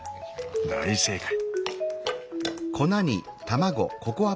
大正解。